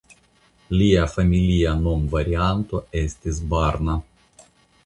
Lia familia nomvarianto estis "Barna".